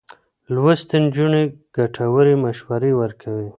لوستې نجونې ګټورې مشورې ورکوي.